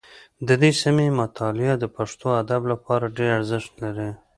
د دې سیمې مطالعه د پښتو ادب لپاره ډېر ارزښت لري